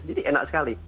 jadi enak sekali